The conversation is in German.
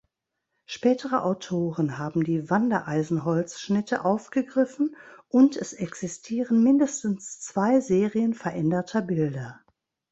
Spätere Autoren haben die Wandereisen-Holzschnitte aufgegriffen und es existieren mindestens zwei Serien veränderter Bilder.